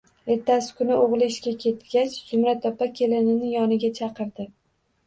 Ertasi kuni o`g`li ishga ketgach, Zumrad opa kelinini yoniga chaqirdi